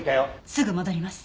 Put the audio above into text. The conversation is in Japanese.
すぐ戻ります。